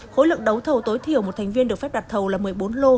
khối lượng đấu thầu tối thiểu một thành viên được phép đặt thầu là một mươi bốn lô